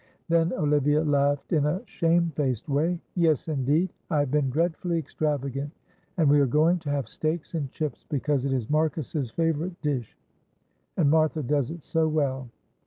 Then Olivia laughed in a shamefaced way. "Yes, indeed; I have been dreadfully extravagant, and we are going to have steaks and chips because it is Marcus's favourite dish, and Martha does it so well.